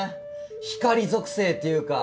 光属性っていうか。